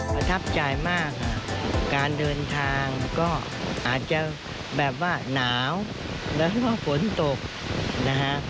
ประทับใจมากการเดินทางก็อาจจะแบบว่าหนาวโดยเฉพาะฝนตกนะฮะ